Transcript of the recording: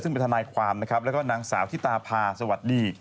ซึ่งเป็นทนายความนะครับแล้วก็นางสาวที่ตาพาสวัสดี